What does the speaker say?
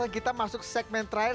kita masuk segmen terakhir